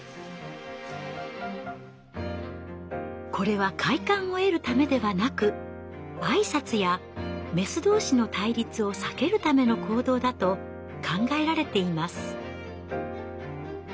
これは快感を得るためではなく挨拶やメス同士の対立を避けるための行動だと考えられています。